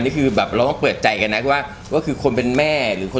นี่คือแบบเราก็เปิดใจกันนะว่าก็คือคนเป็นแม่หรือคน